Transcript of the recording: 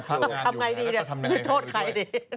ทำไงดีโทษใครดิ